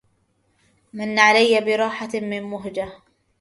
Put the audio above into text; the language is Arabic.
مني علي براحة من مهجة